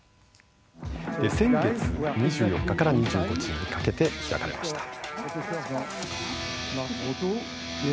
先月２４日から２５日にかけて開かれました。